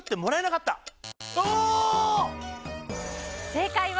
正解は。